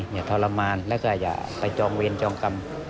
อย่าตรมมาและก็อย่าไปจองเวียนจองกรรม